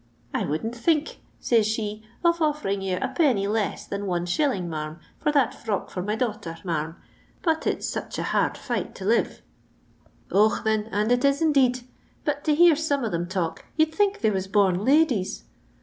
' I wouldn't think,' says she, ' of o&ring you Id. lest than It., marm, for that frock for my daughter, marm, but it 's such a hard fight to live.* Och, thin, and it is indeed ; but to hear some of them talk you'd think they was bom ladies.